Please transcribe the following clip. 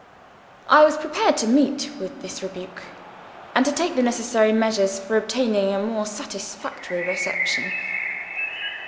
"I was prepared to meet with this rebuke, and to take the necessary measures for obtaining a more satisfactory reception.